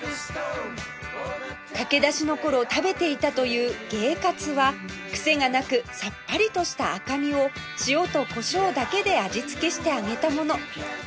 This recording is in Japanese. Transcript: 駆け出しの頃食べていたという鯨カツはクセがなくさっぱりとした赤身を塩とコショウだけで味付けして揚げたもの